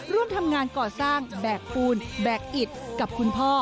ร่วมทำงานก่อสร้างแบกปูนแบกอิดกับคุณพ่อ